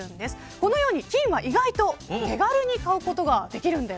このように金は意外と手軽に買うことができるんだよ。